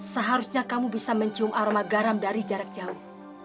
seharusnya kamu bisa mencium aroma garam dari jarak jauh